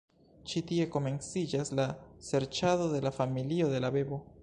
Ĉi tie komenciĝas la serĉado de la familio de la bebo.